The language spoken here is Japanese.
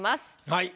はい。